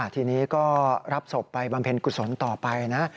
ทีนี้ก็รับศพไปบำเพ็ญกุศลต่อไปนะ